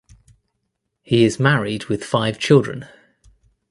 He is married with five children.